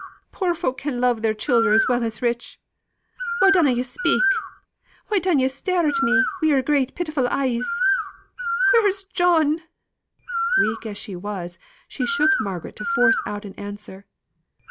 Poor folk can love their childer as well as rich. Why dunno yo' speak? Why dun yo' stare at me wi' your great pitiful eyes? Where's John?" Weak as she was, she shook Margaret to force out an answer.